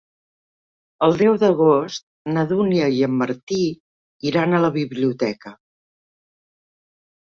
El deu d'agost na Dúnia i en Martí iran a la biblioteca.